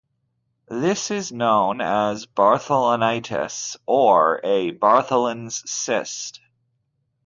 This is known as bartholinitis or a Bartholin's cyst.